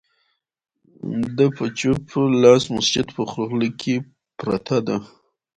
د په چپ لاس د مسجد په خوله کې پرته ده،